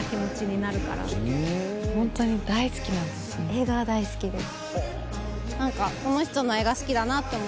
映画が大好きです。